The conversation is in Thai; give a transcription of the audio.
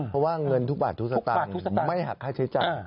เพราะว่าเงินทุกบาททุกสตางค์ไม่หักค่าใช้จ่าย